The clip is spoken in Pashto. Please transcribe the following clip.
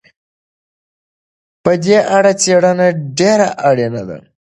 په دې اړه څېړنه ډېره اړينه ده.